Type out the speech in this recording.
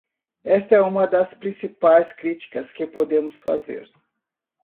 Esta é uma das principais críticas que podemos fazer.